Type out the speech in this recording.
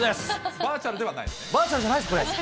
バーチャルではないです、これ。